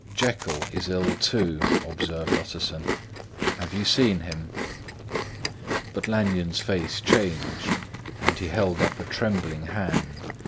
"Jekyll is ill, too," observed Utterson. "Have you seen him?" But Lanyon's face changed, and he held up a trembling hand.